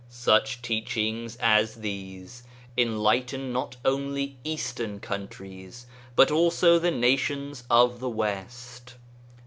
Such teachings as these enlighten not only Eastern countries, but also the nations of the West.